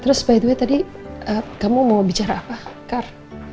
terus by the way tadi kamu mau bicara apa car